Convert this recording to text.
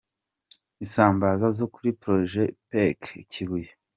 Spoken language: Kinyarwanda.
Isambaza zo kuri Projet Pêche Kibuye.